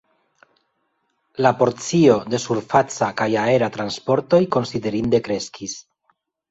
La porcio de surfaca kaj aera transportoj konsiderinde kreskis.